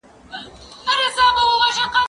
زه به سبا موبایل کار کړم!!